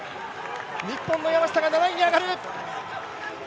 日本の山下が７位に上がる！